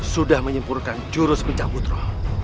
sudah menyempurkan jurus pencaputro